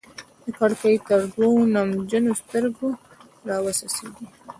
د کړکۍ تر دوو نمجنو ستوګو راوڅڅيدې